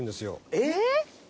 えっ！